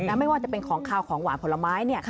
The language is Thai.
ไม่ว่าจะเป็นของขาวของหวานผลไม้